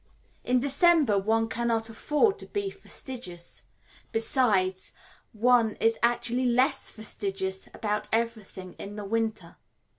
In December one cannot afford to be fastidious; besides, one is actually less fastidious about everything in the winter.